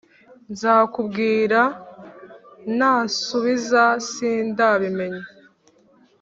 Nzakubwira nansubiza sindabimenya